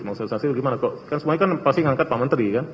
maksudnya saksi itu gimana kok kan semuanya kan pasti mengangkat pak menteri kan